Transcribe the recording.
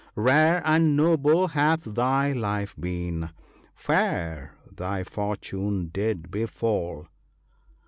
Rare and noble hath thy life been ! fair thy fortune did befall